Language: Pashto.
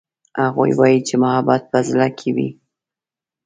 هغوی وایي چې محبت په زړه کې وي